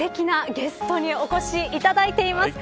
今日はすてきなゲストにお越しいただいています。